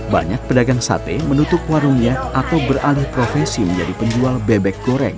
banyak pedagang sate menutup warungnya atau beralih profesi menjadi penjual bebek goreng